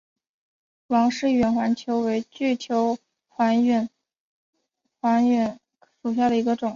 王氏远环蚓为巨蚓科远环蚓属下的一个种。